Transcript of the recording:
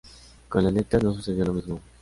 Con las letras no sucedió lo mismo.